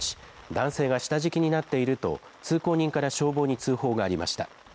男性が下敷きになっていると通行人から消防に通報がありました。